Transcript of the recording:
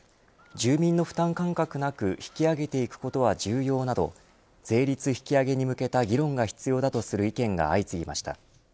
住民の負担感覚なく引き上げていくことは重要など税率引き上げに向けた議論が必要だとする意見が相次ぎました。